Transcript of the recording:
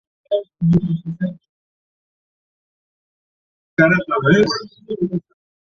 তাঁরা বলেছেন, গণ-অর্থায়ন দেশের অর্থনৈতিক সাম্য রক্ষার ক্ষেত্রে সহায়ক ভূমিকা রাখতে পারে।